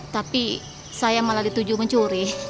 tapi saya malah dituju mencuri